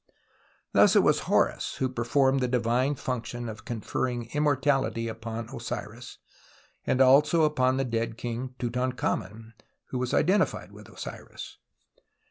Thus it was Horus who performed the divine function of conferring immortality upon Osiris, and also upon the dead king Tutankhamen, who was identified with Osiris.